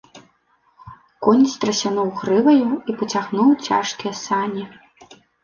Конь страсянуў грываю і пацягнуў цяжкія сані.